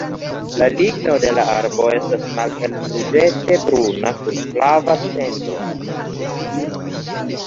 La ligno de la arbo estas malhelruĝete bruna kun flava centro.